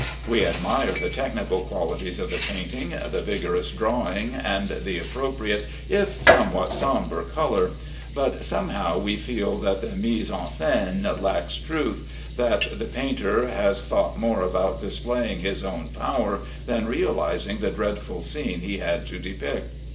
We admire the technical qualities of the painting, the vigorous drawing, and the appropriate, if somewhat sombre, color, but somehow we feel that the mise en scène lacks truth, that the painter has thought more about displaying his own power than realizing the dreadful scene he had to depict.